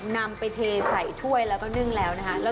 นำไปเทใส่ถ้วยแล้วก็นึ่งแล้วนะคะ